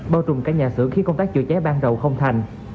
bao trùm cả nhà xưởng khi công tác chữa cháy ban đầu không thành